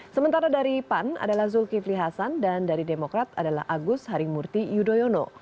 sementara dari pan adalah zulkifli hasan dan dari demokrat adalah agus harimurti yudhoyono